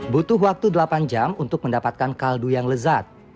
butuh waktu delapan jam untuk mendapatkan kaldu yang lezat